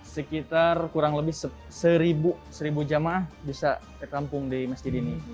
sekitar kurang lebih seribu jamaah bisa tertampung di masjid ini